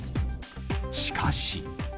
しかし。